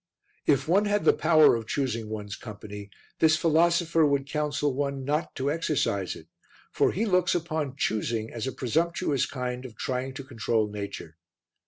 If one had the power of choosing one's company, this philosopher would counsel one not to exercise it; for he looks upon choosing as a presumptuous kind of trying to control nature.